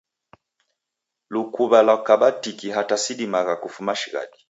Lukuw'a lwakaba tiki hata sidimagha kufuma shighadi